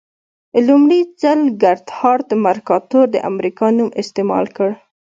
لومړي ځل ګردهارد مرکاتور د امریکا نوم استعمال کړ.